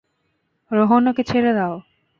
রোহন ওকে ছেড়ে দাও।